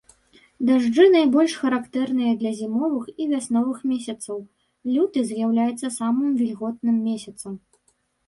Дажджы найбольш характэрныя для зімовых і вясновых месяцаў, люты з'яўляецца самым вільготным месяцам.